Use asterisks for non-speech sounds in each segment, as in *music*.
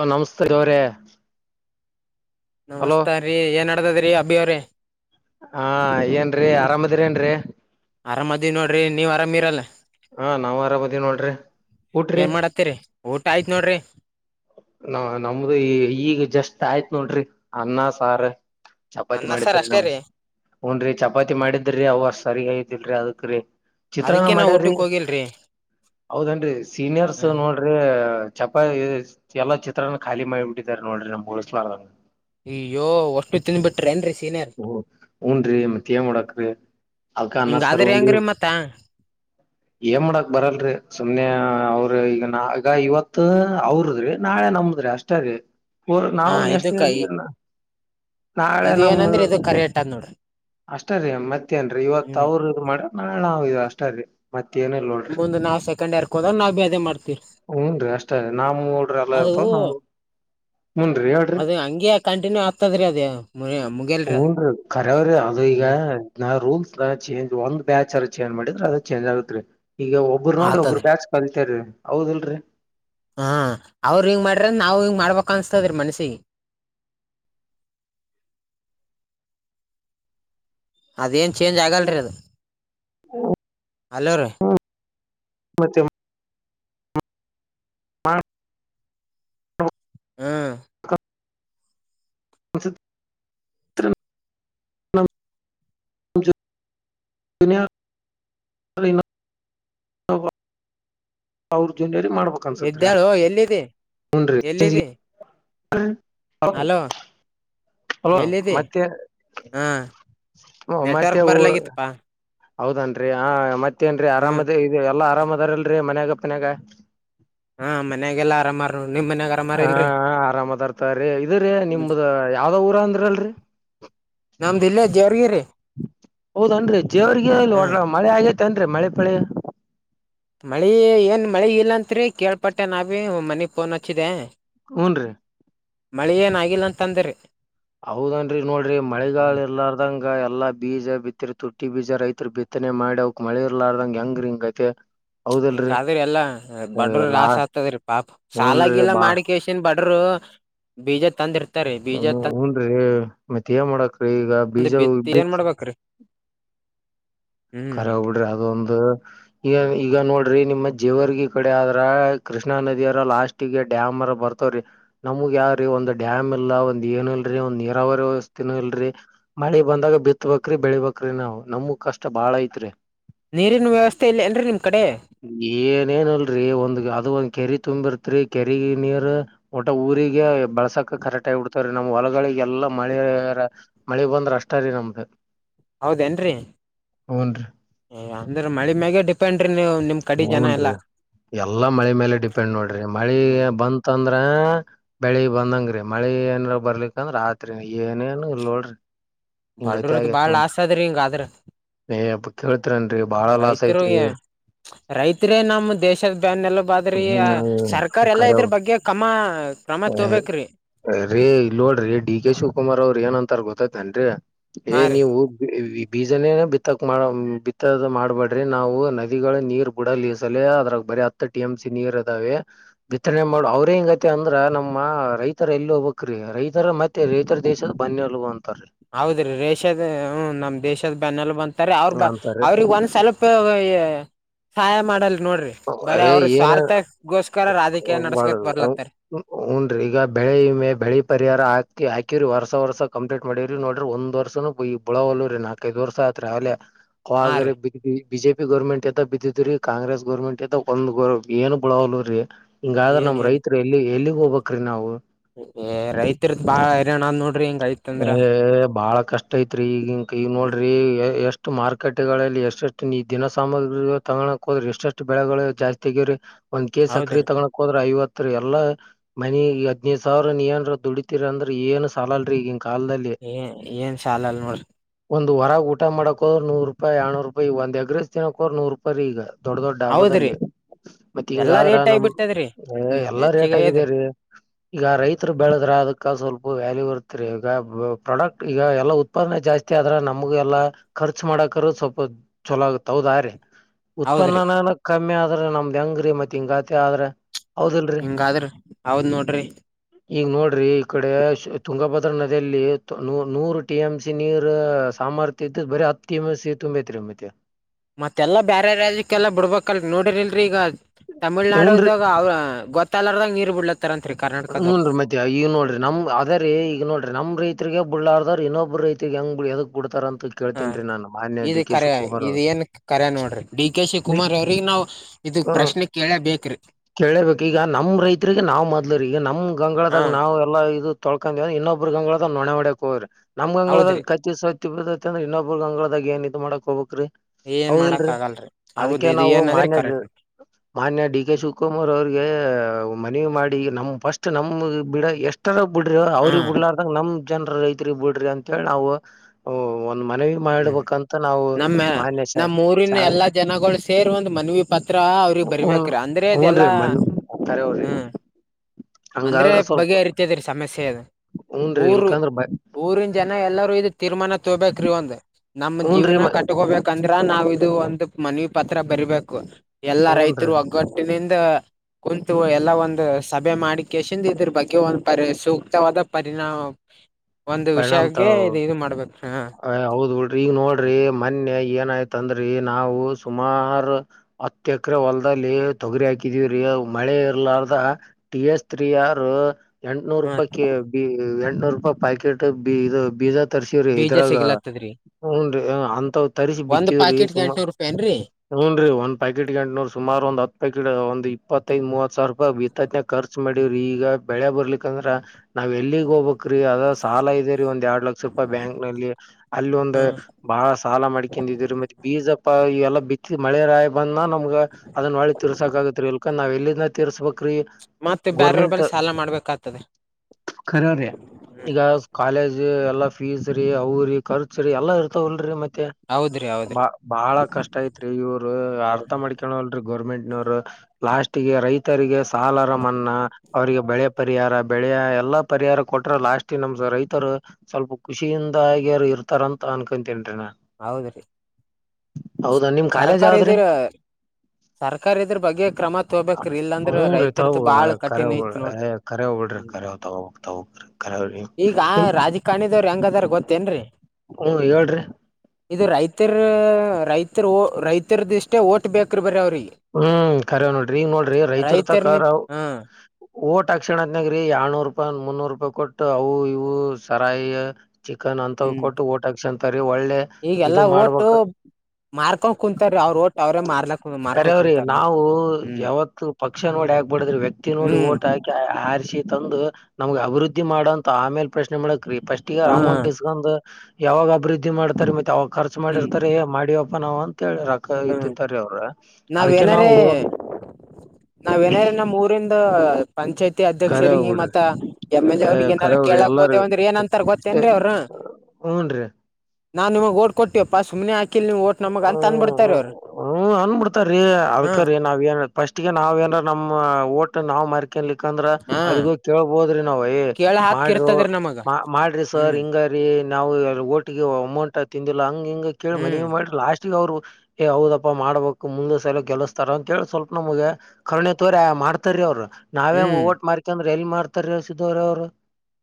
ಹ ನಮಸ್ತೆ ಅವರೇ ನಮಸ್ತ ರೀ ಏನ್ ಆಡತದ್ರೀ ಅಭಿ ಅವರೇ ಹಾ ಏನ್ರರಿ ಆರಾಮದಿರ ಏನ್ರರಿ ಆರಾಮದೀವಿ ನೋಡ್ರಿ ನೀವ್ ಆರಾಮ್ ಇರಲ್ಲ ಹಾ ನಾವ್ ಆರಾಮದೇವಿ ನೋಡ್ರಿ ಊಟ್ರಿ ಏನ್ ಮಾಡತ್ತೀರಿ ಊಟ ಆಯ್ತ ನೋಡ್ರಿ ನ ನಮ್ದು ಈ ಈಗ ಜಸ್ಟ್ ಆಯ್ತ್ ನೋಡ್ರಿ ಅನ್ನ ಸಾರ ಚಪಾತಿ ಅನ್ನ ಸರ್ ಮಾಡಿದ್ರಿ ಅಷ್ಟೇ ನಮ್ ರೀ ಹನ್ ಚಪಾತಿ ಮಾಡಿದ್ರ್ರೀ ಅವ ಸರಿ ಆಯತಿಲ್ರರಿ ಅದಕ್ ಚಿತ್ರಾನ್ನ ಅದಕ್ಕೆ ನಾವ್ ಮಾಡ್ಯಾರೀ ಊಟಕ್ ಹೋಗಿಲ್ರಿ ಹೌದನ್ರಿ ಸೀನಿಯರ್ಸ್ ಹ ನೋಡ ನೋಡ್ರಿ ಚಪಾ ಎಲ್ಲಾ ಚಿತ್ರನ ಖಾಲಿ ಮಾಡಿಬಿಟ್ಟಿದ್ದಾರೆ ನೋಡ್ರಿ ನಮ ಹಳಸ್ಲಾರ ಅಯ್ಯೋ ಒಷ್ಟ್ಮ ತಿಂದು ಬಿಟ್ಟಏನ್ರರಿ ಸೀನಿಯರ್ ಹ್ಮ ಹುನ್ರಿ ಮತ್ ಏನ್ ಮಾಡಕ್ರಿ ಅದ್ಕ ಅನ್ನ ಸಾರ್ ಹಂಗಾದ್ರಿ ಉಂಡ್ ಹೆಂಗ್ರೀ ಮತ್ತಾ ಏನ್ ಮಾಡಾಕ್ ಬರಲ್ರರಿ ಸುಮ್ನೆ ಅವ್ರ ಈಗ ನ ಈಗ ಇವತ್ ಅವ್ರದ್ರಿ ನಾಳೆ ನಮುದ್ರೆ ಅಷ್ಟ ರ ರ್ ಹಾ ನಾವುನ್ ಇದಕ್ಕ ಎಷ್ಟನ್ನ ಇದು ಏನಂದ್ರ ಇ ಕರೆಯಟ ಅ ನೋಡಿ ಅಷ್ಟಾರೀ ಮತ್ತ ಏನ್ ಮತ್ತೇನ್ರಿ ಇವತ್ ಅವ್ರ್ ಮಾಡ್ರಿ, ನಾಳೆ ನಾವು ಅಷ್ಟೇ ರೀ ಮತ್ತೇನಿಲ್ಲ ನೋಡಿ ಮುಂದ್ ನಾವ್ ಸೆಕೆಂಡ್ ಇಯರ್ಕ್ ಹೋದಾಗ ನಾವ್ ಬಿ ಅದೇ ಮಾಡ್ತೀವ್ರಿ ಹನ್ರಿ ಅಷ್ಟೇ ನಾ ಡ್ರಿ ಎಲ್ಲಾ ಇರ್ತವ ನಮ *unintelligible* ಅದ ಹಂಗಗೆ ಕಂಟಿನ್ಯೂ ಆಗ್ತದ್ರಿ ಅದ ಮುಗಿಯಲ್ರಿ ಅದ ಹೂನ್ರಿ ಕರವ್ರಿ ಅದು ಈಗ ಹ್ಮ ರೂಲ್ಸ್ ಚೇಂಜ್ ಒಂದ ಬ್ಯಾಚ್ ಚೇಂ ಮಾಡಿದ್ರೆ ಅದು ಚೇಂಜ್ ಆಗತ್ ಈಗ ಒಬ್ರು ನೋಡಿ ಒಬ್ರು ಆತದ್ರಿ ಬ್ಯಾಚ್ *unintelligible* ಹೌದಿಲ್ರಿ ಹಾ ಅವರು ಹಿಂಗ ಮಾಡ್ರ ನಾವು ಹಿಂಗ ಮಾಡ್ಬೇಕ ಅನ್ಸ್ತದ್ರೀ ಮನ್ಸಿಗೆ ಅದೇನು ಚೇಂಜ್ ಆಗಲ್ಲರರಿ ಅದು ಅಲೋ ರೀ ಹ್ಮ ಮತ್ತೆ ಮಾಡ. ಹು ಪುಚಕ್ ತ್ರು ಮಲ್ ಪುಚಕ್. ಇನ್ನೇಳ ಅದಇನ್ನ. ಅವ್ರ ಜೊತೇಲಿ ಮಾಡ್ಬಬೇಕು. ಎದ್ದೇಳೋ ಎಲ್ಲದಿ. ಹನ ರೀ ಸಂಜಿಕಿ ಆ. ಹಾಲೋ. ಹಲೋ ಮತ್ತೆ ಹಾ ಹು ಮತ್ತೆ ನೆಟ್ವರ್ಕ್ ಊರ. ಬರ್ಲಾಗಿತ್ತಪಾ ಹೌದೇನತ್ರಿ ಆ ಮತ್ತೇನಡ್ರಿ ಹ್ಮ್ ಆರಾಮದೇರಿ ಎಲ್ಲಾ ಅರಾಮ ಅದಾರಿಲ್ಲರೀ ಮನ್ಯಾಗ ಪನ್ಯಾಗ. ಹ ಮನ್ಯಾಗೆಲ್ಲಾಅರಾಮಾರು ನಿಮ್ಮ ಮನ್ಯಾಗ. ಆರಾಮಾರ ಹ ಇಲ್ರಿ ಹ ಆರಾಮದರತೋರಿ ಇದರಿ ನಿಂಬದು ಯಾವ್ದ ಊರ ಅಂದ್ರ ಅಲ್ಲರಿ. ನಮ್ಮದಿಲ್ಲೆ ಜೆವರ್ಗಿ ರೀ. ಹೌದನರಿ ಜೇವರ್ಗಿ ಹ್ಮ್ ವಡ್ಲ ಮಳಿ ಆಗೇತೆಂಡ್ರಿ ಮಳಿ ಪಳಿ. ಮಳಿ ಏನ್ ಮಳಿ ಇಲ್ಲಂತ್ರಿ ಕೇಳ್ಪಟ್ಟೆ ನಾವೆ ಮನಿಗ್ ಫೋನ ಹಚ್ಚಿದಾ. ಹು ಡ್ರಿ. ಮಳೆ ಏನಾಗಿಲ್ಲಾ ತಂದ್ರರಿ. ಹೌದನ್ರಿ ನೋಡ್ರಿ ಮಳೆಗಾಲ ಇಲ್ಲಾರಕ್. ಅದಂಗ ಎಲ್ಲಾ ಬೀಜ ಬಿತ್ತಿರಿ ತುಟ್ಟಿ ಬೀಜಾ ರೈತರು ಬಿತ್ತನೆ ಮಾಡಿ ಅವಕ್ ಮಳೆ ಇರ್ಲಾರ್ದಂಗ ಹೆಂಗರಿ ಹಿಂಗ ಆಗಿರ. ಹಿಂಗಾದ್ರ ಎಲ್ಲಾ ಬಡವ್ರು ಲಾ ಲಾಸ್ ಆಗ್ತದ್ರೀ ಪಾಪ ಹೂನ್ರಿ ಸಾಲಾಗಿಲಾ ಬಾ ಮಾಡಿ. ಕೇಸಿನ್ ಬಡುರು ಬೀಜಾ ತಂದ ಇರ. ಹು ಹುಡ್ರಿ ಮತ್ತ ಏನ್ ಮಾಡಕ್ರೀ ಈಗ. ಮುಂದ ಬೀಜ ಬಿತ್ತಿ ಏನ್ ಬಿತ್ ಮಾಡಬೇಕ್ರಿ. ಕರೇವ ಬಿಡ್ರಿ ಅದೊಂದು. ಈ ಈಗ ನೋಡ್ರಿ ನಿಮ್ಮ ಜೇವರ್ಗಿ ಕಡೆ ಆದ್ರ ಕೃಷ್ಣಾ ನದಿಯರ ಲಾಸ್ಟ್ ಟ್ಟಿಗೆ ಡ್ಯಾಮರ ಬರ್ತವ ರಿ. ನಮಗ ಯಾರಿ ಒಂದ ಡ್ಯಾಮ್ ಇಲ್ಲಾ ಒಂದ ಏನು ಇಲ್ಲಡ್ರಿ ಒಂದ್ ನೀರಾವರಿ ವ್ಯವಸ್ಥೆನು ಇಲ್ಲಡ್ರಿ. ಮಳಿ ಬಂದಾಗ ಬಿತ್ತಬೇಕ್ರಿ ಬೆಳಿಬೆಕ್ರಿ ನಾವು ನಮುವು ಕಷ್ಟಾ ಬಾಳ ಐತ್ರಿ. ನೀರಿನ ವ್ಯವಸ್ಥೆ ಇಲ್ಲೇಏನಡ್ರಿ ನಿಮ್ಮ ಕಡೆ. ಏನೇಏನು ಇಲ್ಲಡ್ರಿ ಒಂದ ಅದು ಒಂದ ಕೆರಿ ತುಂಬಿರ್ತ್ರಿ ಕೆರಿ ನೀರ ಒಟ್ಟ ಊರಿಗೆ ಬಳ್ಸಕ ಕರೆಕ್ಟ್ ಆಗಿಬಿಡ್ ತ್ತಾವರಿ ನಮ್ಮ ಹೊಲಗಳಿಗೆ ಎಲ್ಲಾ ಮಳೆರ ಮಳೆ ಬಂದ್ರ ಅಷ್ಟ ರೀ ನಮ್ದು. ಹೌದೇನಡ್ರಿ. ಹು ಡ್ರಿ ಹು ಅಂದ್ರ ಮಳಿ ಮ್ಯಾಗ ಡಿಫ ಫೆಂಡ್ ಡ್ರಿ ನೀವು. ಹುನಡ್ರಿ ಎಲ್ಲಾ ಮಳಿ ಮೇಲೆ ಡಿಪೆಂಡ್ ನೋಡ್ರಿ ಮಳಿ ಹ್ಮ್ ಬಂತ ತಂದ್ರ ಬೆಳಿ ಬಂದಂಗ್ರೀ ಮಳಿ ಏನರ ಬರ್ಲಿಕ್ಕಂದ್ರ ಆತ್ರಿ ಏನೇನು ಇಲ್ಲ ನೋಡ್ರಿ. ಹಿಂಗತಿ ಬಡುರದು ಬಾಳ ಲಾಸ್ ಅದ್ರಿ ಹಿಂಗ ಆದ್ರ. ಎ ಪ್ಪ ಕೇಳ್ತೇತಿರೆಂಡ್ರಿ ಬಾಳ ಲಾಸ್ ರೈತರು ಐತ್ರಿ. ರೈತರೇ ನಮ್ಮ ದೇಶದ ಬೆನ್ನ ಎಲಬು ಆದ್ರಿ ಹ್ಮ್ ಸರ್ಕಾರ ಎಲ್ಲಾ ಕರೆ ಇದ್ರ ಬಗ್ಗೆ ಕಮಾ ಕ್ರಮ ತೊಬೇಕ್ರಿ. ರೀ ಇಲ್ಲ ನೋಡ್ರಿ ಡಿ ಕೆ ಶಿವಕುಮಾರ್ ಅವರು ಏನಂತಾರ ಗೊತ್ತೈತೇನಡ್ರಿ. ಏ ಹಾ ರೀ ನೀವು ಬಿವಿ ಬೀಜನೇ. ಬಿತ್ತಕ ಮಾಡ ಬಿತ್ತದ ಮಾಡ್ಬೇಡ್ರಿ ನಾವು ನದಿಗಳ ನೀರ ಕೂಡಲ ಇಸಲೆ ಅದ್ರಾಗ ಬರಿ ಹತ್. ಟಿ ಎಂ ಸಿ ನೀರ್ ಅದಾವೆ. ಬಿತರಣೆ ಮಾಡು ಅವ್ರ ಹೆಂಗತಿ ಅಂದ್ರ ನಮ್ಮ ರೈತರ ಎಲ್ಲಿ ಹೋಗಬಕ್ರೀ ರೈತರ ಮತ್ತ ತ್ತ ವೇಕಲ್ ದೇಶದ ಬನ್ನಿಲವು ಅಂತ ರೀ. ಹೌದ್ರೀ ರೇಶದ ಹ ನಮ್ ದೇಶದ ಬೆನ್ನೆಲ್ಲಬ ಅಂತರಿ ಅವ್ರ ಬ ಅಂತಾರೀ ಅವ್ರಗ ಒಂದ್ ಸ್ವಲ್ಪ ಅ ವಯ್ಯ ಸಾಯ ಮಾಡಲ್ ನೋಡ್ರಿ. ಬರ ಏ ಅವರ ಏನ ಸ್ವಾರ್ಥಗೋಸ್ಕರ ರಾದಕೀಯ ನಡ್ಸ್ಕತ್ ಮಾಡುದು ಬರ್ಲತ್ತಾರೀ. ಹುನ್ರಿ ಈಗ ಬೆಳಿ ಬೆಳಿ ಪರಿಹಾರ ಹಾಕಿ ಹಾಕಿರಿ ವರ್ಸ ವರ್ಸ ಕಂಪಿಟ್ ನೋಡಿರಿ ನೋಡಿರಿ ಒಂದ ವರ್ಸನು ಬೀಳವಲ್ಲುರಿ ನಾಕೈದ ವರ್ಷ ಆಯ್ತಾ ಆಗ್ಲೇ ಹಾ ಕಾಗ ರೀ ಬಿ ಬಿಜೆಪಿ ಗೌರ್ಮೆಂಟ್ ಇದ್ದ ಬಿದ್ದಿದ್ರ ಕಾಂಗ್ರೆಸ್ ಗೌರ್ಮೆಂಟ್ ಇದ್ ಒಂದ ಗ ಏನು ಬಿಳವಲರಿ ಹಿಂಗಾದ್ರ ಏನ್ ನಮ್ ಏನ್ ರೈತ್ರ ಇಲ್ಲಿ ಎಲ್ಲಿಗ ಹೋಗ್ಬೇಕ್ರಿ ನಾವು. ಏ ರೈತರದ ಬಾಳ ಹೈರಾಣ ಅನ್ ನೋಡ್ರಿ ಹಿಂಗ ಐತ್ ಏ ಬಾಳ ಕಷ್ಟ ಐತ್ರಿ ಈಗಿನ ಕ ಈಗ ನೋಡ್ರಿ ಎ ಎಸ್ ಮಾರ್ಕೆಟ್ಗಳಲ್ಲಿ ಎಷ್ಟಷ್ಟ ನೀ ದಿನ ಸಾಮಗ್ರಿಗಳ ತಗೋಕ ಹೋದ್ರ ಎಷ್ಟೆಷ್ಟ ಬೆಳೆಗಳು ಜಾಸ್ತಿ ಆಗ್ಯವ್ರರಿ. ಒಂದ ಕೆ ಸಕ್ರೆ ಹೌದ್ರಿ ತಗೋಕ ಹೋದ್ರ ಐವತ್ತರೀ ಎಲ್ಲಾ ಮನಿಗ ಹದ್ನೈದ ಸಾವಿರ ನೀ ಏನ್ರ ದುಡಿತೀರಿ ಅಂದ್ರ ಏನ ಸಾಲಲ್ರರಿ ಈಗಿನ ಕಾಲದಲ್ಲಿ ಏ ಏನ್ ಸಾಲಲ್ಲ ನೋಡ್ರಿ. ಒಂದ ಹೊರಗ ಊಟ ಮಾಡಕ ಹೊರ ಒಂದನೂರ ಪಾಯಿ ಆರ್ನೂರು ರೂಪಾಯಿ ಒಂದ ಎಗ್ರ ಎಗ್ ರೈಸ್ ನೂರು ರೂಪಾಯಿ ಈಗ. ದೊಡ್ಡ ದೊಡ್ಡ ಹೌದ್ರಿ ಡಾಬದಲ್ಲಿ. ಮತ್ತ ಎಲ್ಲಾ ಹಿಂಗಾದ್ರ ರೇಟ್ ನಮ ಆಗಿಬಿಟ್ಟದ್ರಿ ಹ್ಮ್ ಎಲ್ಲಾ ಹೆಚ್ಚಿಗ ರೇಟ್ ಆಗ್ಯದ್ರಿ ಆಗಿದೇರಿ. ಈಗ ರೈತರ ಬೆಳೆದ್ರ ಅದಕ್ಕ ಸ್ವಲ್ಪ ವ್ಯಾಲ್ಯೂ ಇರ್ತರಿ. ಈ ಪ್ರಾಡಕ್ಟ್ ಈಗ ಎಲ್ಲಾ ಉತ್ಪಾದನೆ ಜಾಸ್ತಿ ಆದ್ರ ನಮ್ಗ ಎಲ್ಲಾ ಖರ್ಚ ಮಾಡಕ್ರ ಸ್ವಲ್ಪ ಚೊಲ ಆಗತ್ತ ಹೌದ ರೀ. ಹೌದ್ರಿ ಉತ್ಪನ್ನನ ಕಮ್ಮಿ ಆದ್ರ ನಮ್ದ ಹೆಂಗ್ರೀ ಮತ್ತ ಹಿಂಗಾತಿ ಆದ್ರ ಹೌದಿಲ್ರರಿ ಹಿಂಗಾದ್ರ ಹೋದ್ ನೋಡ್ರಿ. ಈಗ ನೋಡ್ರಿ ಈ ಕಡೆ ಸಿ ತುಂಗಭ ನದಿಯಲ್ಲಿ ತು ನೂರು ಟಿ ಎಂ ಸಿ ಸಿ ನೀರ್ ಸಾಮರ್ಥ್ಯ ಇದ್ದ ಬರೀಹತ್ತ ಟಿಂ ಎ ಸಿ ತುಂಬೈತ್ರಿ ಮತ್ತ ಮತ್ತೆಲ್ಲ ಬೇರೆ ರಾಜ್ಯಕ್ಕೆಲ್ಲ ಬಿಡ್ಬೇಕಲ್ರಿ ನೋಡಿರಿಲ್ರರಿ ಈಗ. ಹೂನ್ರಿ ತಮಿಳುನಾಡಿದಾಗ ಅವ ಗೊತ್ತಾರದಾಗ ನೀರ್ ಬಿಡ್ಲತಾರತ್ರಿ ಕರ್ನಾ ಹುನ್ರಿ ಮತ್ತ ಈಗ ನೋಡ್ರಿ ನಮ್ ಅದರೀ ಈಗ ನೋಡ್ರಿ ನಮ್ಮ ರೈತರಿಗ ಬಳ್ಳಾರಾರ ಇನ್ನೊಬ ರೈತರಿಗೆ ಹೆಂಗ್ ಎದಕ್ ಬಿಡ್ತಾರ ಅಂತರೀ. ಹಾ ಹೇಳ್ತನ್ರಿ ನಾನ ಇದ ಕರೆ ಇದ್ ಏನ್ ಕರೆ ನೋಡ್ರಿ ಡಿ ಕೆ ಶಿವ ಅವ್ರು ಕುಮಾರ್ ಅವ್ರಗ ನಾವ ಇದಕ ಪ್ರಶ್ನೆ ಕೇಳಬೇಕ್ರೀ. ಕೇಳೇಬೇಕ ಈಗ ನಮ್ ರೈತರಿಗ ನಾವ್ ಮದ್ಲರೀ ಈಗ ನಮ್ ಹಾ ಗಂಗಳದಾಗ ನಾವ್ ಲ್ಲ ಇದ ತೊಳ್ಕೊಂಡ ಇನ್ನೊಬ್ಬರ ಗಂಗಳದಗ ನೊಣ ಹೊಡ್ಯಾಕ ಹೋರಿ ನಮ್ ಗಂಗಳದ ಹೌದ್ರಿ ಕ ಸತ್ತಿ ಬಿದ್ದೆತಿ ಅಂದ್ರ ಇನ್ನೊಬರ ಗಂಗಳದಾಗ ಏನ ಇದ ಮಾಡಕ ಹೋಗ್ಬೇಕ್ರಿ. ಏನ್ ಮಾಡಕ್ ಹೌದಿಲ್ರರಿ ಆಗಲ್ರಿ ಹೌದ್ ಅದಕ್ಕೆ ಇದು ನಾವು ಏನಂದ್ರೆ ಮಾನ್ಯ ಕರೆಕ್ಟ್ ಮಾನ್ಯ ಡಿ ಕೆ ಶಿವಕುಮಾರ್ ಅವ್ರಗೆ ಮನವಿ ಮಾಡಿ ಈಗ ನಮ್ ಫಸ್ಟ್ ನಮ್ ಬಿಡ ಎಷ್ಟರ ಬಿಡ್ರ ಹಾ ಅವ್ರ ಬಿಡ್ಡಲಾರ. ನಮ್ ಜನರ ರೈತರ ಬಿಡ್ರಿ ಅಂತೇಳಿ ನಾವ ಒಂದ್ ಮನವಿ ಹ್ಮ್ ಮಾಡ್ಬೇಕಂತ ನಾವ ನಮ್ಮ ಮಾನ್ಯ ಶಾ ನಮ್ ಷ ಊರಿನ ಎಲ್ಲಾ ಜನಗಳು ಸೇರಿ ಒಂದ್ ಮನವಿ ಪತ್ರ ಅವ್ರಿಗ್ ಹ್ಮ ಬರಿಬೇಕ್ರಿ ಅಂದ್ರೆ ಹುನ್ರಿ ಇದೆಲ್ಲಾ ಮ ಅರವ್ರಿ ಹ್ಮ್ ಅಂದ್ರೆ ಬಗೆಹರಿತದರಿ ಸಮಸ್ಯೆದ ಹೂನ್ರಿ ಊರ ಇಲ್ಕಂದ್ರ ಬ ಊರಿನ ಜನ ಎಲ್ಲರೂ ಇದ ತೀರ್ಮಾನ ತುಗೋಬೇಕ್ರಿ ಒಂದ್ ನಮ್ಮ ಹೂನ್ರಿ ಜೀವನ ಮ ಕಟ್ ತಗೋಬೇಕಂದ್ರ ನಾವ್ ಇದು ಒಂದುಕ್ ಮನವಿ ಪತ್ರ ಬರಿಬೇಕು ಎಲ್ಲಾ ಹೂನ್ರಿ ರೈತರು ಹೋಗ್ ಗಟ್ಟಿನಿಂದ ಕುಂತು ಎಲ್ಲ ಒಂದ್ ಸಭೆ ಮಾಡಿ ಕೆೇಶಿನ್ ಇದ್ರ ಬಗ್ಗೆ ಒಂದ್ ಪರಿ ಸೂಕ್ತವಾದ ಪರಿಣಾಮ್ ಒಂದ್ ವಿಷಯಗ್ಗೆ ಇದ್ ಇದ್ ಮಾಡ್ಬೇಕ ಹಾಂ. ಅ ಹೌದ್ ಬಿಡ್ರಿ ಈಗ್ ನೋಡ್ರಿ ಮನ್ನೆ ಏನಾಯ್ತಂದ್ರಿ ನಾವು ಸುಮಾರ್ ಹತ್ ಎಕ್ರೆ ಹೊಲ್ದಲ್ಲಿ ತೊಗರಿ ಹಾಕಿದೀವ್ರಿ ಮಳೆ ಇರ್ಲಾರ್ದ ಟಿ ಎಸ್ ತ್ರಿ ಯಾರು. ಎಂಟ್ನೂರು ಹಾ ರೂಪಾಯಿ ಕೆ ಬಿ ಎಂಟ್ನೂರು ರೂಪಾಯಿ ಪಾಕೆಟ್ ಇದು ಬೀಜ ತರ್ಸಿವ್ರಿ ಬೀಜ ಇದ್ರಾಗ ಸಿಗ್ಲತ್ತದ್ರಿ ಹೂನ್ ರಿ ಅ ಅಂತವ್ ತರ್ಸಿ ಒಂದ್ ಬಿತ್ತಿವ್ರಿ ಪಾಕೆಟ್ಗೆ ಸುಮ ಎಂಟನೂರು ರೂಪಾಯಿ ಏನ್ರೀ ಹೂನ್ ರಿ ಒಂದ್ ಪ್ಯಾಕೆಟ್ಗೆ ಎಂಟ್ನೂರ್ ಸುಮಾರ ಒಂದ್ ಹತ್ ಪಾಕೆಟ್ ಒಂದ್ ಇ ಇಪ್ಪತ್ತೈದ್ ಮೂವತ್ ಸವ್ರುಪಾಯ್ ಬಿತ್ತನ್ಯಾಗ್ ಖರ್ಚ್ ಮಾಡ್ ಡ್ ರೀಗ ಬೆಳೆ ಬರ್ಲಿಕ್ ಅಂದ್ರ ನಾವ್ ಎಲ್ಲಿಗ್ ಹೋಗ್ಬಕ್ರಿ ಅದ ಸಾಲ ಇದೆರಿ ಒಂದ್ ಎರಡ್ ಲಕ್ಷ ರೂಪಾಯಿ ಬ್ಯಾಂಕ್ ನಲ್ಲಿ ಅಲ್ ಒಂದ್ ಹ್ಮ್ ಬಹಳ ಸಾಲ ಮಾಡ್ಕಂಡ್ ಇದಿವ್ರಿ ಮತ್ತೆ ಫಿಜ್ ಅಪ್ಪ ಇವೆಲ್ಲ ಬಿತ್ ಮಳೆ ರಾಯ ಬಂದ್ನ ನಮ್ಗ ಅದನ್ ಒಳ್ ತಿರ್ಸಕಾಗತ್ರಿ ಇಲ್ಕಾ ನಾವ್ ಎಲ್ಲಿಂದ ತೀರ್ಸ್ಬೇಕ್ರಿ ಮತ್ ಬ್ಯಾರೆಯವ್ರ ಗೋರ್ಮೆಂಟ್ ಬಲ್ಲಿ ಸಾಲ ಮಾಡ್ಬೇಕಾಗ್ತದ ಖರ ರೀ. ಈಗ ಕಾಲೇಜ್ ಎಲ್ಲಾ ಫೀಸ್ ರೀ ಅವ್ರೀ ಖರ್ಚ್ ರೀ ಎಲ್ಲಾ ಇರ್ತವಲ್ರಿ ಮತ್ತೆ. ಹೌದ್ರಿ ಬ ಹೌದ್ರಿ ಬಾಳ ಕಷ್ಟ ಐತ್ರಿ ಇವರು ಅರ್ಥ ಮಾಡ್ಕಿಣಲ್ ಗೋರ್ಮೆಂಟ್ನರ್ ಲಾಸ್ಟ್ಗೆ ರೈತರಿಗೆ ಸಾಲರ ಮನ್ನಾ ಅವ್ರಿಗೆ ಬೆಳೆ ಪರಿಹಾರ ಬೆಳೆಯ ಎಲ್ಲಾ ಪರಿಹಾರ ಕೊಟ್ರೆ ಲಾಸ್ಟ್ ನಮ್ ರೈತರು ಸ್ವಲ್ಪ ಖುಷಿಯಿಂದ ಆಗ್ಯಾರು ಇರ್ತಾರಂತ ಅನ್ಕೊತೇನ್ರಿ ನಾ ಹೌದ್ರಿ. ಹೌದಾ ನಿಮ್ ಕಾಲೇಜ್ ಯಾವ್ದ್ರಿ ಸರ್ಕಾರಿದಿರಾ. ಸರ್ಕಾರ್ ಇದ್ರ ಬಗ್ಗೆ ಕ್ರಮ ತಗೋಬೇಕ್ರಿ ಇಲ್ಲಾಂದ್ರ ಹ್ಮ್ ರೀ ತಾವು ರೈತರದ್ದ ಬಾಳ್ ಕರೆ ಕಠಿಣ ಹೋಗ್ಬ ಐತಿ ನೋಡ್ರಿ. ಕರೆ ಹೋಗ್ಬಡ್ರಿ ಕರೆ ಯಾತಗೊಬೇಕ್ ತಾಹೋಗ್ರಿ. ಈಗಾ ರಾಜಕಾರಣಿದವ್ರ್ ಹೆಂಗದಾರ ಗೊತ್ತೇನ್ರಿ. ಹೂ ಹೇಳ್ರಿ. ಇದು ರೈತ್ತರ್ ರೈತರ್ ಓ ರೈತರ್ದ್ ಇಷ್ಟೇ ಓಟ್ ಬೇಕ್ರಿ ಬರೀ ಅವ್ರಿಗೆ. ಹ್ಮ್ ಖರೆವ್ ನೋಡ್ರಿ ಈಗ್ ನೋಡ್ರಿ ರೈತರ್ ತಕ ರೈತರ್ನ ರಾವ್ ಹಾ ಓಟ್ ಅಕ್ಷಣತ್ನಾಗ್ರಿ ಯಳ್ನೂರು ರೂಪಾಯಿ ಒಂದ್ ಮುನ್ನೂರು ರೂಪಾಯಿ ಕೊಟ್ಟು ಅವು ಇವು ಸಾರಾಯಿಯ ಚಿಕನ್ ಅಂತವ್ ಹ್ಮ್ ಕೊಟ್ಟು ಓಟಕ್ಸಂತರಿ ಒಳ್ಳೆ ಇದು ಮಾಡ್ಬೇಕ ಮಾರ್ಕೊಂನ್ ಕುಂತಾರ್ ರೀ ಅವ್ರ್ ಒಟ್ ಅವ್ರ ಮಾರ್ಲಕ್ಕ್ ಕರವ್ರಿ ನಾವು ಯಾವತ್ತು ಪಕ್ಷ ನೋಡಿ ಆಕ್ಬಡ್ದಿ ವ್ಯಕ್ತಿ ನೋಡಿ ಹ್ಮ್ ಓಟ್ ಹಾಕಿ ಕೆ ಆರ್ಸಿ ತಂದು ನಮ್ಗೆ ಅಭಿವೃದ್ಧಿ ಮಾಡಂತ ಆಮೇಲ್ ಪ್ರಶ್ನೆ ಮಾಡಕ್ ರೀ ಪಸ್ಟಿಗೆ ಹಾ ಅಮೌಂಟ್ ಇಸ್ಕೊಂದ್ ಯಾವಾಗ ಅಭಿವೃದ್ಧಿ ಮಾಡ್ತಾರೆ ಮತ್ತ ಯಾವಾಗ್ ಖರ್ಚ್ ಹ್ಮ್ ಮಾಡಿರ್ತರೆ ಮಾಡಿವಪ್ಪ ನಾವ್ ಅಂತ ಹೇಳಿ ರೊಕ್ಕ ಈ ತಿಂತಾರಿ ಅವ್ರ. ಅದಕ್ಕೆ ನಾವೇನರೇ ನಾವು ನಾವೇನರೆ ನಮ್ಮೂರಿಂದಾ ಪಂಚಾಯಿತಿ ಕರೆವ್ ಅಧ್ಯಕ್ಷರಿಗೆ ಬಿಡ್ರಿ ಮತ್ತ ಎಂ ಎಲ್ ಎ ಅವ್ರಿಗೆ ಏನಾರ ಕರೆವ್ರಿ ಕೇಳಕ್ ಎಲ್ಲಾರ ಹೋದೇವ್ ಅಂದ್ರಿ ಏನ್ ಅಂತಾರ ಗೊತ್ತೇನ್ರೀ ಅವ್ರ. ಹೂನ್ ರೀ. ನಾ ನಿಮಗ್ ಓಟ್ ಕೊಟ್ಟೀವಪ್ಪ ಸುಮ್ನೆ ಹಾಕಿಲ್ಲ್ ನೀವು ಓಟ್ ನಮಗ ಅಂತ ಅಂಬಿಡ್ ಹ್ಮ ಹ್ಮ್ ಅನ್ಬಿಡ್ತಾರೀ ಹ ಅದಕ ರೀ ನಾವ್ ಏನ ಪಸ್ಟಿಗೆ ನಾವ್ ಏನಾರ ನಮ್ಮ್ ಓಟ್ ನಾವು ಮರ್ ಕ್ಕೇಲ್ಲಿಕಂದ್ರ ಹಾ ಅವ್ರಿಗ್ ಹೋಗ್ ಕೇಳ್ಬೋಡ್ರಿ ನಾವ ಎ ಕೇಳ ಮಾಡ್ರೋ ಹಾಕಿರ್ತದ್ರಿ ನಮಗ ಮಾ ಮಾಡ್ರಿ ಸರ್ ಹ್ಮ್ ಹಿಂಗಾರೀ ನಾವು ಓಟಿಗೆ ಅಮೌಂಟ ತಿಂದಿಲ್ಲ ಹಂಗ ಹಿಂಗ ಕೇಳ್ ಹ್ಮ್ ಮನವಿ ಮಾಡ್ರಿ ಲಾಸ್ಟ್ಗ ಅವ್ರು ಹೌದಪ್ಪಾ ಮಾಡ್ಬೇಕು ಮುಂದ ಸೈಲ ಗೆಲ್ಲಸ್ತಾರ ಅಂತ ಕೇಳಿ ಸ್ವಲ್ಪ ನಮ್ಗೆ ಕರುಣೆ ತವ್ರ ಮಾಡ್ತಾರೀ ಅವ್ರು ನಾವೇ ಹ್ಮ್ ಓಟ್ ಮಾರ್ಕ ಅಂದ್ರ ಎಲ್ ಮಾಡ್ತಾರ ಸೋರ ಅವ್ರು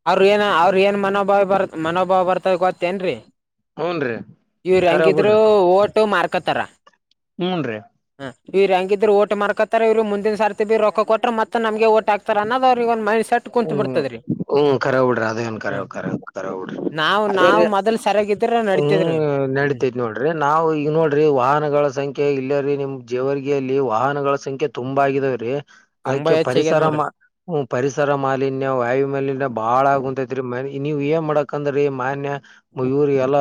ಅವ್ರ ಏನ ಅವ್ರ ಏನ್ ಮನೋಭಾವ ಬರ್ ಮನೋಭಾವ ಬರ್ತದ ಗೊತ್ತೇನ್ರೀ ಹೂನ್ರಿ ಇವ್ರ ಕರೆ ಹೆಂಗಿದ್ರು ಬಿಡ್ರಿ ಓಟು ಮಾರ್ಕೊತಾರ ಹ್ಮ್ ರೀ ಹ ಇವ್ ಹೆಂಗಿದ್ರ ಓಟ ಮ ಮಾಡ್ಕತಾರ ಇವರು ಮುಂದಿನ ಸತಿ ಬಿ ರೊಕ್ಕ ಕೊಟ್ಟರ ಮತ್ತ ನಮಗೆ ಆಗ್ತಾರ ಅನ್ನದ ಅವ್ರಗ ಒಟ್ ಮೈಂಡ್ ಸೆಟ್ ಕುಂತತ್ ಹ್ಮ್ ಬಿಡ್ತದರಿ ಹ್ಮ್ ಕರ ಉಡ್ರಿ ಅದೇ ನ್ ಕರರ ಕರ ಉಡ್ರಿ ಅದೇ ಅ ಸರಿಯಾಗಿದ್ದ ಹ್ಮ್ ನಡೀತೈತ ನೋಡಿ ರಿ ನಾವವು ಈಗ ನೋಡ್ರಿ ವಾಹನಗಳ ಸಂಖ್ಯೆ ಇಲ್ಲ ರೀ ನಿಮ್ ಜೇವರ್ಗಯಲ್ಲಿ ವಾಹನಗಳ ಸಂಖ್ಯೆ ತುಂಬಾ ಆಗಿದಾವ್ರೀ ತುಂಬಾ ಅದಕ್ಕೆ ಹೆಚ್ಚಾಗ್ಯದ್ ಪರಿಸರ ನೋಡ್ರಿ ಮಾ ಹ ಪರಿಸರ ಮಾಲಿನ್ಯ ವಾಯು ಮಾಲಿನ್ಯ ಬಾಳ ಆಗುಂತೈತ್ರಿ ನೀವ್ ಏನ್ ಮಾಡಕಂದ್ರೀ ಮಾನ್ಯ ಇವ್ರಿಗೆಲ್ಲ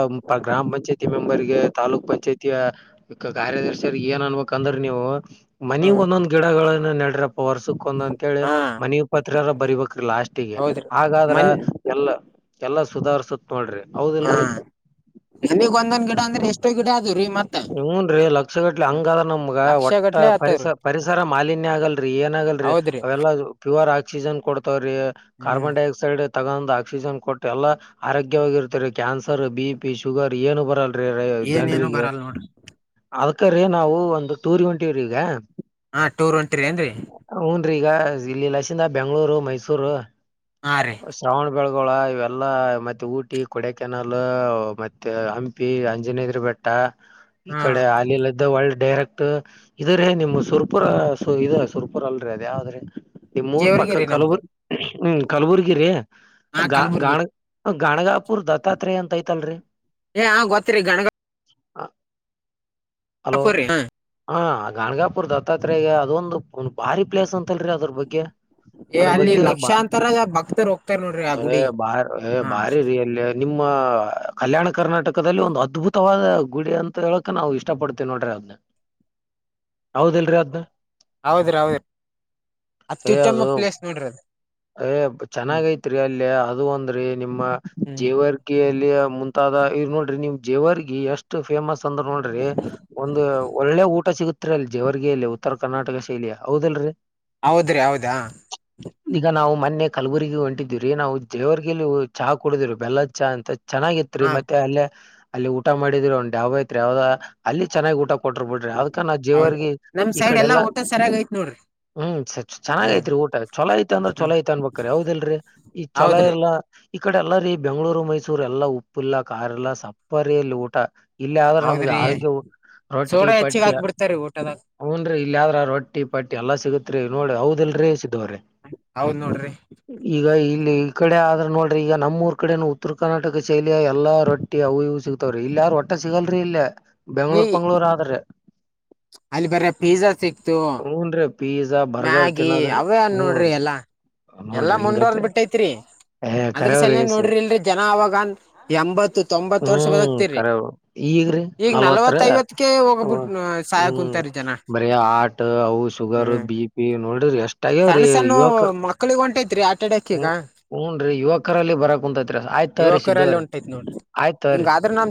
ಗ್ರಾಮ ಪಂಚಾಯತಿ ಮೆಂಬರ್ಗೆ ತಾಾಲೂಕ್ ಪಂಚಾಯತಿಯ ಈಕ್ಕ ಕಾರ್ಯದರ್ಶಿಯ್ರ ಏನ್ ಅನ್ಬೇಕಕ್ಂದ್ರ ನೀವು ಮನಿಗ್ ಒಂದೊಂದ್ ಗಿಡಗಳನ್ನ ನಡ್ರಪ್ಪ ವರ್ಷಕ್ ಒಂದೊಂದ ಅಂತೇಳಿ ಹಾ ಮನವಿ ಪತ್ರರ ಬರಿಬೇಕ್ರ ಲಾಸ್ಟಿಗೆ ಹೌದ್ರಿ ಹಾಗಾದ್ರ ಮನ್ ಎಲ್ಲ ಎಲ್ಲಾ ಸುಧಾರ್ಸತ್ ನೋಡ್ರಿ ಹೌದಲ್ರರಿ ಮನಿಗೆ ಒಂದೊಂದ ಗಿಡ ಅಂದ್ರೆ ಎಷ್ಟೋ ಗಿಡ ಅದ ರೀತ್ತತ್ ಹನ್ರೀ ಲಕ್ಷ ಗಟ್ಲೆ ಹಂಗ ಅದ ನಮ್ಗ ಲಕ್ಷ ಒಟ್ಟ ಗಟ್ಲೆ ಆತವ್ರಿ ಪರಿಸ ಪರಿಸರ ಮಾಲಿನ್ಯ ಆಗಲ್ರಿ ಏನ ಆಗಲ್ರರಿ ಹೌದ್ರಿ ಅವೆಲ್ಲಾ ಪ್ಯೂರ್ ಆಕ್ಸಿಜನ್ ಕೊಡ್ತಾವ್ರಿ ಹ್ಮ್ ಸೈಡ್ ತಗೊಂಡ್ ಆಕ್ಸಿಜನ್ ಕೊಟ್ಟ ಎಲ್ಲಾ ಆರೋಗ್ಯವಾಗಿರ್ತಾರೆ ಕ್ಯಾನ್ಸರ್ ಬಿ ಪಿ ಶುಗರ್ ಏನು ಬರಲ್ಲ ಏನೇನು ಜನರಿಗೆ ಬರಲ್ ನೋಡ್ರಿ ಅದ್ಕ್ರೀ ನಾವು ಒಂದು ಟೂರಿವೆಂಟಿವ್ರಗ ಹಾ ಟೂರ್ ಹೊಂಟಿರಿ ನ್ರಿ ಹನ್ರೀ ಈಗ ಇಲ್ಲಿಲ್ಲಸಿಂದ ಬೆಂಗ್ಗಳೂರು ಮೈಸೂರು ಹಾ ರಿ ಶ್ರಾವಣ ಬೆಳಗೋಳ ಇವೆಲ್ಲಾ ಮತ್ತೆ ಊಟಿ ಕೊಡ ಕೆನಾಲ್ ಮತ್ತೆ ಹಂಪಿ ಅಂಜನೇದ್ರ ಬೆಟ್ಟ ಹಾ ಇಕಡೆ ಅಲಿಲ್ದ ಒಳ್ಳ ಡೈರೆಕ್ಟ್ ಇದ್ರೀ ನಿಮ್ ಸುರ್ಪುರ ಸ ಇ ಸುರ್ಪುರ್ ಅಲ್ರರಿ ಅದ ಯಾವ್ದ್ರೆ ನಿ ಮೂರ್ ಪಕ್ಕ ಜೇವರ್ಗಿರಿ ನಮ್ದು ಕಲಬುರ್ ಹ್ಮ ಕಲಬುರ್ಗಿರಿ ಹಾ ಗಾ ಕಲಬುರ್ಗಿ ಗಾಣ ಗಾಣಗಾಪುರ್ ದತ್ತಾತ್ರಯ ಅಂತ ಐತಲ್ರರಿ ಏ ಗೊತ್ತತ್ರಿ ಗಗ ಹಲೋ ಗಣಗಪುರಿ ಹಾ ಗನ್ಗಾಪುರ್ ದತ್ತಾತ್ರಯಗೆ ಅದೊಂದು ಒಂದ್ ಬಾರಿ ಪ್ಲೇಸ್ ಅಂತಲ್ರರಿ ಅದ್ರ ಬಗ್ಗೆ ಏ ಅದ್ರ ಅಲ್ಲಿ ಬಗ್ಗೆ ಬ ಲಕ್ಷಾಂತರ ಭಕ್ತರು ಹೋಗ್ತಾರ ನೋಡ್ರಿ ಆ ಗುಡಿ ಬ ಹಾ ಬಾರಿಯಲ್ಲಿ ನಿಮ್ಮ ಕಲ್ಯಾಣ ಕರ್ನಾಟಕದಲ್ಲಿ ಒಂದು ಅದ್ಭುತವಾದ ಗುಡಿ ಅಂತ ಹೇಳಕ ನಾವು ಇಷ್ಟ ಪಡ್ತೇವಿ ನೋಡ್ರಿ ಅದ್ನ ಯಾವದಲ್ರರಿ ಅದ್ನ ಹೌದ್ರಿ ಹೌದ್ರಿ ಅತ್ತು ಏ ತಮ್ಮ ಅದು ಪ್ಲೇಸ್ ನೋಡ್ರಿದ ಏ ಚೆನ್ನಾಗ ಐತ್ರಿ ಅಲ್ಲ ಅದು ಒಂದ್ರೀ ನಿಮ್ಮ ಹ್ಮ್ ಜೀವ ಲ್ಲಿ ಮುಂತಾದ ಇವ್ ನೋಡ್ರಿ ನೀವು ಜೇವರ್ಗಿ ಎಷ್ಟು ಫೇಮಸ್ ಅಂದ್ರೆ ನೋಡ್ರಿ ಒಂದು ಒಳ್ಳೆ ಊಟ ಸಿಗುತ್ತೆ ತ್ರಲ್ಲಿ ಜವರ್ಗಿಯಲ್ಲಿ ಉತ್ತರ ಕರ್ನಾಟಕ ಶೈಲಿಯ ಹೌದಲ್ರರಿ ಹೌದ್ರಿ ಹೌದಾ ಈಗ ನಾವು ಮೊನ್ನೆ ಕಲಬುರಗ ಹೊಂಟಿದೀವಿರೀ ನಾವು ದೇವರ್ರಿಗೆ ಚಾ ಕುಡುದೀವರು ಬೆಲ್ಲದ ಚಾ ಅಂತ ಚೆನ್ನಾಗಿ ತ್ರಿ ಹಾ ಮತ್ತೆ ಅಲ್ಲೇ ಅಲ್ಲಿ ಊಟ ಮಾಡಿದ್ರಿ ಒಂದು ಧಾಭಾ ಐತ್ರಿ ಯಾವದ ಅಲ್ಲಿ ಚೆನ್ನಾಗಿ ಊಟ. ಕೊಟರ್ ಬಿಡ್ರಿ ಅದ್ಕ ನ ಹೌದ್ ಜೇವರ್ಗೆ ನಮ್ ಈ ಸೈಡ್ ಎಲ್ಲಾ ಕಡೆಲ್ಲಾ. ಊಟ ಸರಿಯಾಗ ಐತ್ ನೋಡ್ರಿ ಹ್ಮ್ ಸ ಚೆನ್ನಾಗಿ ಹ್ಮ್ ಐತ್ರಿ ಊಟ ಚಲ ಆಯ್ತಿ ಅಂದ್ರ ಹ್ಮ್ ಚಲೋ ಐತ ಅನ್ಬೇಕಕ್ರ ಹೌದ ಇಲ್ರಿ. ಈ ಚಲೋ ಹೌದ್ರಿ ಇಲ್ಲ. ಈ ಕಡೆ ಎಲ್ಲಾರಿ ಬೆಂಗಳೂರು ಮೈಸೂರು ಎಲ್ಲಾ ಉಪ್ಪಿಲ್ಲ ಕಾರ್ ಎಲ್ಲ ಸಪ್ಪರಿ ಇಲ್ಲಿ ಊಟ. ಇಲ್ಲಿ ಆದ್ರೆ ನಮ್ಗೆ ಹೌದ್ರಿ ಆರೋಗ್ಯ ರೊಟ್ಟಿ ಸೋಡಾ ಹೆಚ್ಚಿಗ್ ಪಟ್ಟಿ. ಹಾಕ್ಬಿಡ್ತಾರಿ ಊಟದಾಗ ಹುಉನ್ರಿ ಇಲ್ಯಾದ್ರ ರೊಟ್ಟಿ ಪಟ್ಟಿ ಎಲ್ಲಾ ಸಿಗತ್ರಿ ನೋಡಿ ಹೌದಿಲ್ರರಿ ಸಿದ್ದು ಅವ್ರೇ. ಹೌದ್ ನೋಡ್ರಿ. ಈಗ ಇಲ್ಲಿ ಈ ಕಡೆ ಆದ್ರ ನೋಡ್ರಿ ಈಗ ನಮ್ಮೂಊರ್ ಕಡೆನು ಉತ್ತರ ಕರ್ನಾಟಕ ಶೈಲಿಯ ಎಲ್ಲಾ ರೊಡ್. ಟಿ ಅವು ಇವು ಸಿಗ್ತಾವ್ರಿ ಇಲ್ಲ ಯಾರು ಒಟ್ಟ ಸಿಗಲ್ರಿ ಇಲ್ಲೇ ಬೆಂಗ್ಳೂರ್ ಈ ಪಂಗ್ಳೂರ್ ಆದ್ರೆ ರಿ. ಅಲ್ಲಿ ಬರೆ ಪಿಝಾ ಸಿಕ್ತು. ಹುಉನ್ರಿ. ಮ್ಯಾಗಿ ಅವೇನ್ ನೋಡ್ರಿ ಎಲ್ಲಾ. ಎಲ್ಲಾ ನೋಡ್ರಿ ಮುಂದೋರ್ದ್ ಹಿಂಗೈತೆ ಬಿಟ್ಟೈತ್ರಿ ಏ ಅದ್ರ ಸಲವಾಗಿ ಕರೆವ್ರಿ ನೋಡ್ರಿ ಇಲ್ರಿ. ಜನ ಅವಾಗ ಎಂಬತ್ತು. ತೊಂಬತ್ತು ವರ್ಷ ಹ್ಮ್ ಬದಕ್ತಿರೀ ಕರೆ ಈಗ್ರಿ ಈಗ ನಲ್ವತ್ತರ ನಲ್ವತ್ತ ಐವತ್ತಕ ಅಥವಾ ಹೋಗಬಿಟ್ಟ ಸಾಯ ಹ್ಮ್ ಕುಂತಾರಿ ಜನ. ಬರೀ ಆಟ್ ಅವು ಶುಗರ್ ಹ್ಮ್ ಬಿ ಪಿ ನೋಡರಿ ಎಷ್ಟ ಆಗ್ಯವ್ರೀ ಯುವಕರು. ಕಕ್ಕಿಗೆ ಒಂಟೈತ್ರಿ. ಹ ಹೂನ್ ರೀ ಯುವಕರಲ್ಲಿ ಬರಕ್ ಕುಂತತ್ರಿ ಆಯ್ತ್ರರಿ ಸಿದ್ಧು ಯುವಕರಲ್ಲಿ ಅವ್ರೇ ಹೊಂಟೈತ್ ನೋಡ್ರಿ ಆಯ್ತ್ರರಿ. *inaudible*